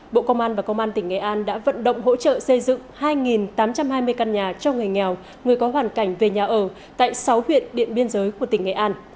bộ công an và công an tỉnh nghệ an đã vận động hỗ trợ xây dựng hai tám trăm hai mươi căn nhà cho người nghèo người có hoàn cảnh về nhà ở tại sáu huyện điện biên giới của tỉnh nghệ an